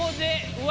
うわ！